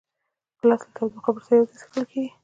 ګیلاس له تودو خبرو سره یو ځای څښل کېږي.